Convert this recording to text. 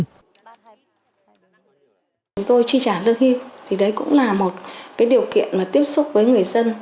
chúng tôi chi trả lương hưu thì đấy cũng là một điều kiện mà tiếp xúc với người dân